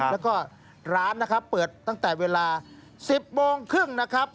แล้วก็ร้านนะครับเปิดตั้งแต่เวลา๑๐โมงครึ่งนะครับ